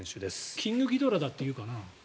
キングギドラだって言うかな。